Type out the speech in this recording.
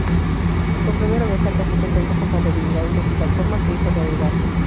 Por primera vez, la casi perfecta compatibilidad entre plataformas se hizo realidad.